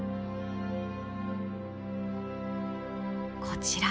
こちら。